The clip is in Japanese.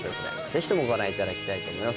ぜひともご覧いただきたいと思います